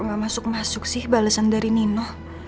gak masuk masuk sih balesan dari nino